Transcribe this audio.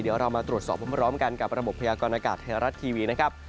เดี๋ยวเรามาตรวจสอบพร้อมกันกับระบบพยากรณากาศไทยรัฐทีวีนะครับ